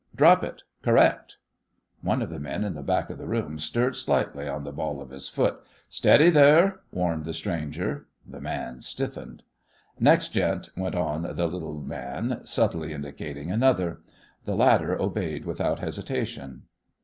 Drop it! Correct!" One of the men in the back of the room stirred slightly on the ball of his foot. "Steady, there!" warned the stranger. The man stiffened. "Next gent," went on the little man, subtly indicating another. The latter obeyed without hesitation.